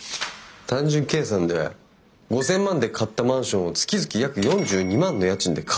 単純計算で５，０００万で買ったマンションを月々約４２万の家賃で貸すってことっすよ。